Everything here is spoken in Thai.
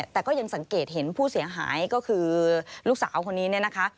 แต่ก็ยังสังเกตเห็นผู้เสียหายก็คือลูกสาวคนนี้เนี่ยนะคะ